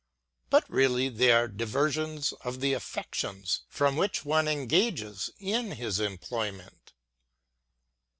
But reall}" they are diversions of the affections from which one engages in his employment.